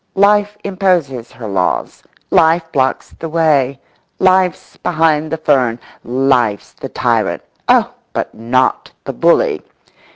Life imposes her laws; life blocks the way; life's behind the fern; life's the tyrant; oh, but not the bully!